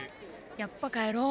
やっぱ帰ろう。